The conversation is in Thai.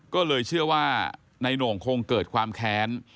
ก็เลยเชื่อว่านายโหน่งคงเกิดความแค้น